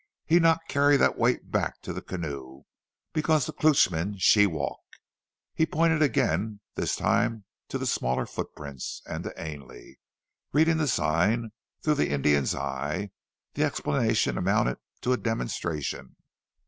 He not carry that weight back to the canoe, because the Klootchman she walk." He pointed again, this time to the smaller footprints, and to Ainley, reading the signs through the Indian's eyes, the explanation amounted to a demonstration.